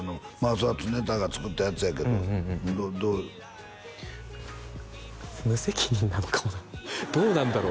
そりゃ常田が作ったやつやけどどう無責任なのかもなどうなんだろう？